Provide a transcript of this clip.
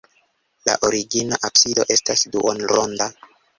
La origina absido estas duonronda.